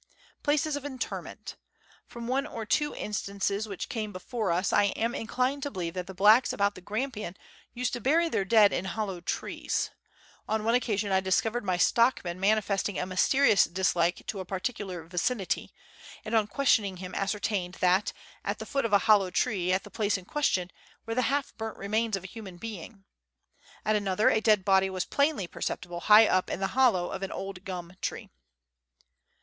Places of Interment. From one or two instances which came before us, I am inclined to believe that the blacks about the Grampians used to bury their dead in hollow trees. On one occasion I discovered my stockman manifesting a mysterious dislike to a particular vicinity, and on questioning him ascertained that, at the foot of a hollow tree, at the place in question, were the half burnt remains of a human being. At another, a dead body was plainly perceptible high up the hollow of an old gum tree.